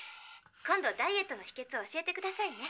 今度ダイエットのひけつ教えてくださいね。